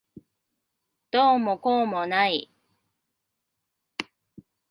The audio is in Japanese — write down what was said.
どうもこうもない。